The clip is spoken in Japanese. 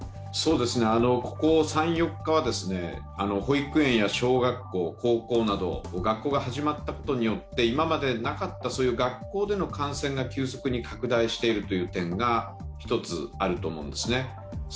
ここ３４日は保育園や小学校、高校など学校が始まったことによって今までなかった学校での感染が急速に拡大しているという点が１つあると思うんですね。